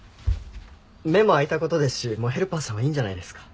目も開いた事ですしもうヘルパーさんはいいんじゃないですか？